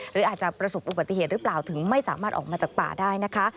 หรืออาจจะประสบอุบัติเหตุหรือเปล่าถึงไม่สามารถออกมาจากป่าได้นะคะ